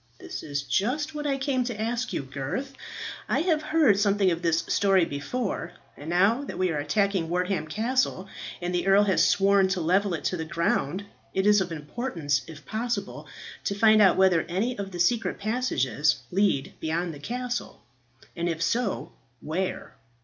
"That is just what I came to ask you, Gurth. I have heard something of this story before, and now that we are attacking Wortham Castle, and the earl has sworn to level it to the ground, it is of importance if possible to find out whether any of the secret passages lead beyond the castle, and if so, where.